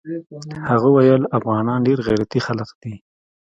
هغه ويل افغانان ډېر غيرتي خلق دي.